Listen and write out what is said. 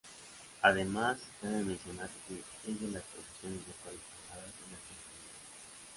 Además cabe mencionar que es de las profesiones mejores pagadas en latinoamerica.